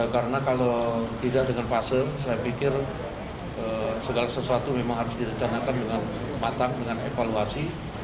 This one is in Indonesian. karena kalau tidak dengan fase saya pikir segala sesuatu memang harus direncanakan dengan matang dengan evaluasi